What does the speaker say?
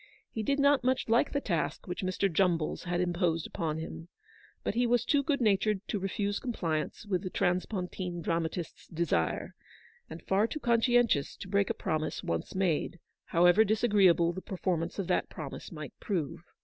He did not much like the task which Mr. Jumballs had imposed upon him, but he was too good natured to refuse compliance with the transpontine dramatist's desire, and far too conscientious to break a promise one made, however disagreeable the per formance of that promise might prove.